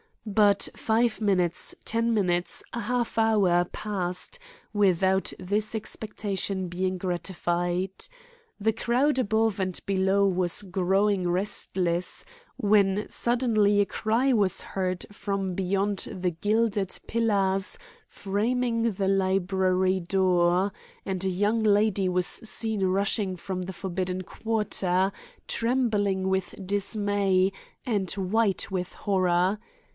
But five minutes, ten minutes, a half hour, passed without this expectation being gratified. The crowd above and below was growing restless, when suddenly a cry was heard from beyond the gilded pillars framing the library door, and a young lady was seen rushing from the forbidden quarter, trembling with dismay and white with horror.